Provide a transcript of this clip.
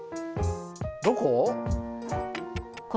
どこ？